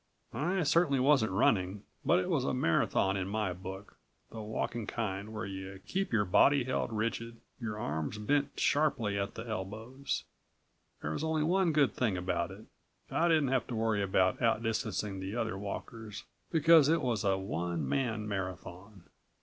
I certainly wasn't running, but it was a marathon in my book, the walking kind where you keep your body held rigid, your arms bent sharply at the elbows. There was only one good thing about it. I didn't have to worry about out distancing the other walkers, because it was a one man marathon.